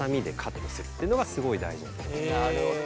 なるほど。